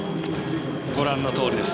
ご覧のとおりです。